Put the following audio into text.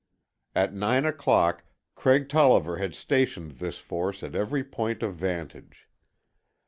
At nine o'clock Craig Tolliver had stationed this force at every point of vantage.